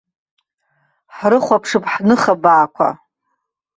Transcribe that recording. Ҳрыхәаԥшып ҳныха баақәа.